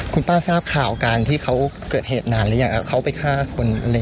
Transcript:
คุณป้าทราบข่าวการที่เขาเกิดเหตุนานหรือยังครับเขาไปฆ่าคน